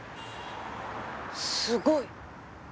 すごい。